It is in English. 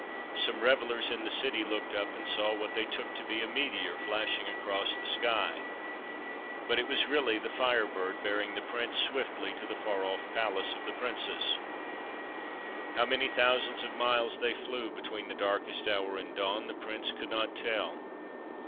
Some revellers in the city looked up and saw what they took to be a meteor flashing across the sky; but it was really the Fire Bird bearing the Prince swiftly to the far off palace of the Princess. How many thousands of miles they flew between the darkest hour and dawn, the Prince could not tell.